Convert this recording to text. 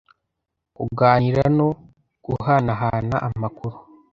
kuganira no guhanahana amakuru